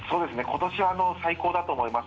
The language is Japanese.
今年、最高だと思います。